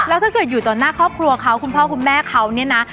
แล้วถ้าเกิดอยู่ต่อหน้าครอบครัวเขาคุณพ่อคุณแม่เขาเนี่ยนะ